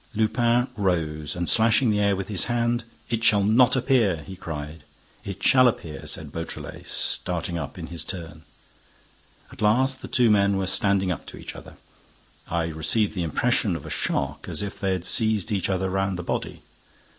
Lupin rose, and slashing the air with his hand, "It shall not appear!" he cried. "It shall appear!" said Beautrelet, starting up in his turn. At last, the two men were standing up to each other. I received the impression of a shock, as if they had seized each other round the body.